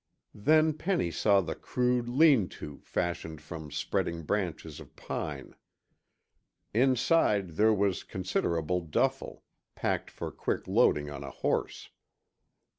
Then Penny saw the crude lean to fashioned from spreading branches of pine. Inside there was considerable duffle, packed for quick loading on a horse.